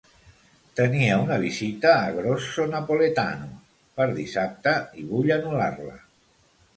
Tenia una visita a Grosso Napoletano per dissabte i vull anul·lar-la.